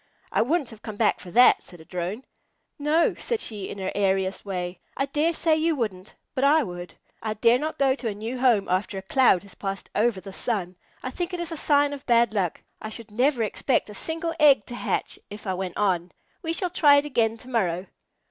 "I wouldn't have come back for that," said a Drone. "No," said she, in her airiest way, "I dare say you wouldn't, but I would. I dare not go to a new home after a cloud has passed over the sun. I think it is a sign of bad luck. I should never expect a single egg to hatch if I went on. We shall try it again to morrow."